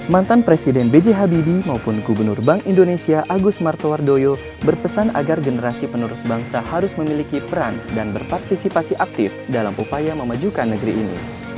mantan presiden b j habibie maupun gubernur bank indonesia agus martowardoyo berpesan agar generasi penerus bangsa harus memiliki peran dan berpartisipasi aktif dalam upaya memajukan negeri ini